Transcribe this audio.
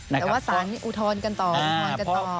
แต่ว่าสารนี้อุทธรณ์กันต่ออุทธรณ์กันต่อ